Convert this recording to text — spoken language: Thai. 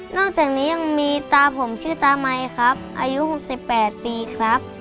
อกจากนี้ยังมีตาผมชื่อตามัยครับอายุ๖๘ปีครับ